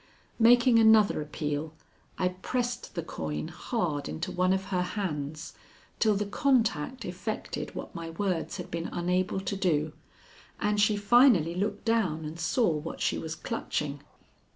Making another appeal, I pressed the coin hard into one of her hands till the contact effected what my words had been unable to do, and she finally looked down and saw what she was clutching.